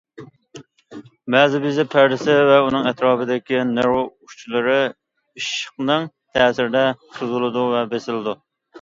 مەزى بېزى پەردىسى ۋە ئۇنىڭ ئەتراپىدىكى نېرۋا ئۇچلىرى ئىششىقنىڭ تەسىرىدە سوزۇلىدۇ ۋە بېسىلىدۇ.